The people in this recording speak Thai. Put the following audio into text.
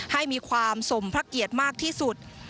ให้มีความสมพระเกียรติมากที่สุด